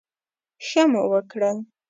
ښه مو وکړل.